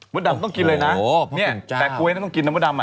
มัวดำต้องกินเลยนะเนี่ยแปะกล้วยต้องกินน้ำมัวดำอะ